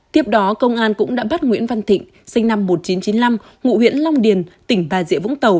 tiếp đó công an cũng đã bắt nguyễn văn thịnh sinh năm một nghìn chín trăm chín mươi năm ngụ huyện long điền tỉnh bà rịa vũng tàu